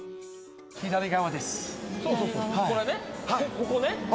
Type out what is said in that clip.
ここね。